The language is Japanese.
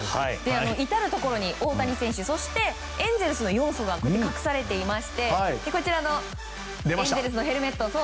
至るところに大谷選手そしてエンゼルスの要素が隠されていましてこちらのエンゼルスのヘルメット